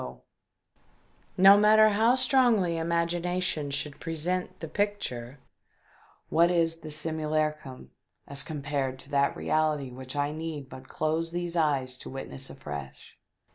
Why, no matter how strongly imagination should present the picture, what is the simu lacrum as compared to that reality which I need but close these eyes to witness afresh